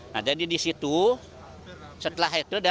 nah jadi di situ setelah itu